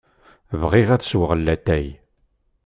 Bɣiɣ ad sweɣ latay.